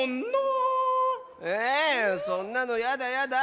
えそんなのやだやだ。